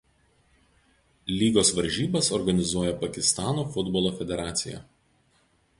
Lygos varžybas organizuoja Pakistano futbolo federacija.